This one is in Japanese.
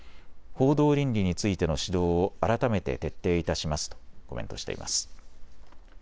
報道倫理についての指導を改めて徹底いたしますとコメントしています。